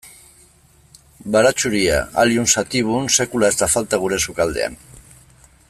Baratxuria, Allium sativum, sekula ez da falta gure sukaldean.